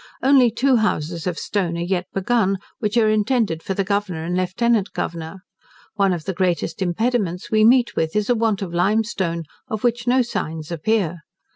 Only two houses of stone are yet begun, which are intended for the Governor and Lieutenant Governor. One of the greatest impediments we meet with is a want of limestone, of which no signs appear.